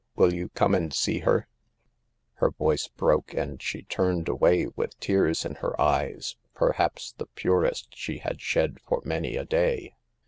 Will you come and see her ?'" Her voice broke and she turned away with tears in her eyes — perhaps the purest she had shed for many a day.